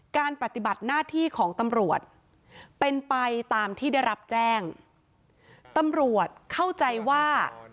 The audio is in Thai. ปฏิบัติหน้าที่ของตำรวจเป็นไปตามที่ได้รับแจ้งตำรวจเข้าใจว่า